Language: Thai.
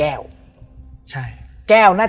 เพื่อที่จะให้แก้วเนี่ยหลอกลวงเค